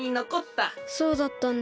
そうだったんだ。